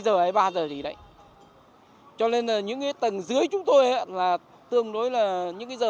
hai giờ hay ba giờ thì đấy cho nên là những cái tầng dưới chúng tôi là tương đối là những cái giờ